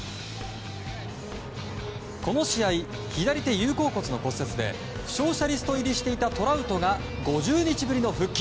この試合、左手有鈎骨の骨折で負傷者リスト入りしていたトラウトが５０日ぶりの復帰。